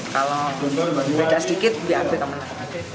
kalau beda sedikit bap kemana